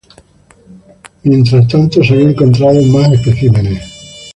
Mientras tanto, se habían encontrado más especímenes.